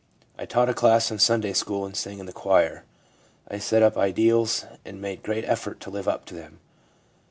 I taught a class in Sunday school and sang in the choir ; I set up ideals and made great effort to live up to them.